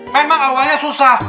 memang awalnya susah